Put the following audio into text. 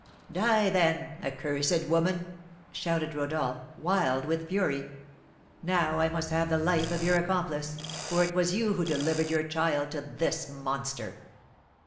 "Die then, accursed woman!" shouted Rodolph, wild with fury. "Now I must have the life of your accomplice, for it was you who delivered your child to this monster!"